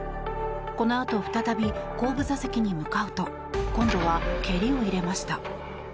このあと再び後部座席に向かうと今度は蹴りを入れました。